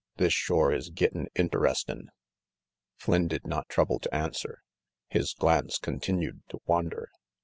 "This shore is gettin' interestinV Flynn did not trouble to answer. His glance continued to wander.